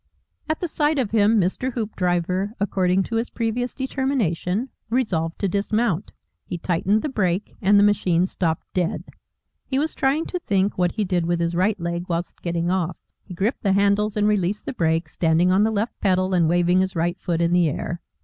At the sight of him Mr. Hoopdriver, according to his previous determination, resolved to dismount. He tightened the brake, and the machine stopped dead. He was trying to think what he did with his right leg whilst getting off. He gripped the handles and released the brake, standing on the left pedal and waving his right foot in the air.